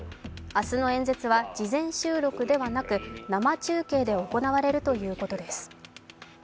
明日の演説は事前収録ではなく生中継で行われるということです。